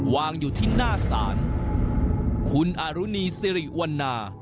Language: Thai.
วางอยู่ที่หน้าศาลคุณอารุณีสิริวันนา